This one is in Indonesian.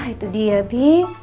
itu dia bi